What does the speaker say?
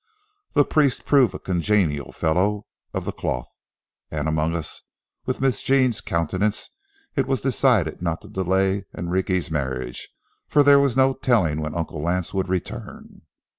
The priest proved a congenial fellow of the cloth, and among us, with Miss Jean's countenance, it was decided not to delay Enrique's marriage; for there was no telling when Uncle Lance would return.